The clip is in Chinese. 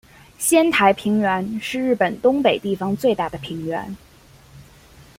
仙台平原是日本东北地方最大的平原。